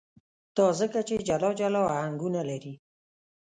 دا ځکه چې جلا جلا آهنګونه لري.